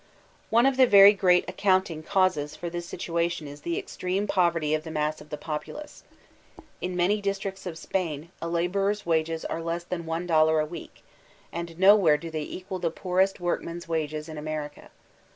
One of the very great accounting causes for this situa* tion is the extreme poverty of the mass of the populace. In many districts of Spain a laborer's wages are less than $1.00 a week, and nowhere do they equal the poorest workman's wages in America.